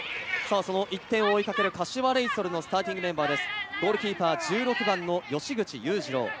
１点を追いかける、柏レイソルのスターティングメンバーです。